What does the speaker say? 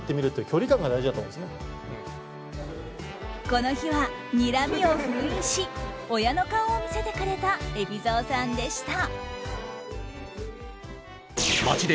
この日はにらみを封印し親の顔を見せてくれた海老蔵さんでした。